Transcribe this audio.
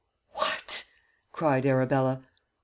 "'What!' cried Arabella.